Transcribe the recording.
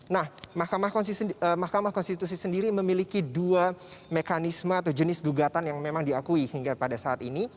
nah mahkamah konstitusi sendiri memiliki dua mekanisme atau jenis gugatan yang memang diakui hingga pada saat ini